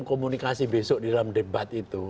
komunikasi besok di dalam debat itu